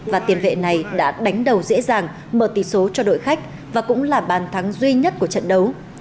và tiền vệ này đã đánh đầu dễ dàng mở tỷ số cho đội khách và cũng là bàn thắng duy nhất của trận đấu